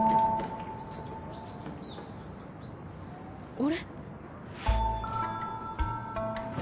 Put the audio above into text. ・俺？